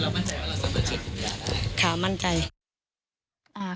คือเรามั่นใจว่าเราสำเร็จ